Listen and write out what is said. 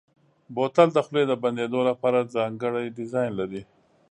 بوتل د خولې د بندېدو لپاره ځانګړی ډیزاین لري.